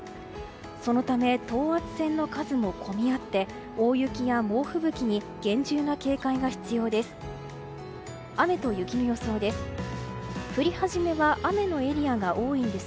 そのため等圧線の数も混み合って大雪や猛吹雪に厳重な警戒が必要です。